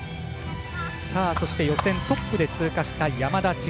そして、予選トップで通過した山田千遥。